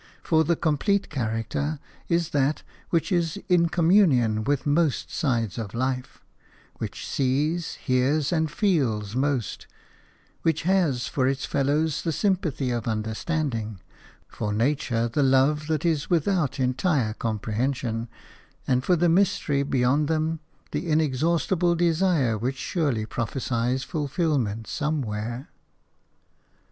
For the complete character is that which is in communion with most sides of life – which sees, hears, and feels most – which has for its fellows the sympathy of understanding, for nature the love that is without entire comprehension, and for the mystery beyond them the inexhaustible desire which surely prophesies fulfilment somewhere.